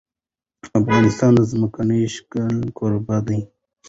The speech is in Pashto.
افغانستان د ځمکنی شکل کوربه دی.